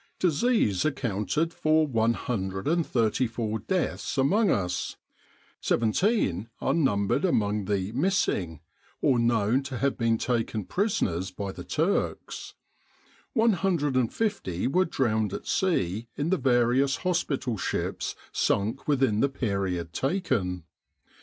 Disease accounted for 134 deaths among us; seventeen are numbered among the "missing," or known to have been taken prisoners by the Turks; 150 were drowned at sea in the various hospital ships sunk within the period taken.